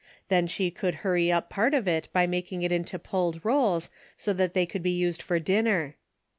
Then she could hurry up part of it by making it into pulled rolls so that they could be used for dinner.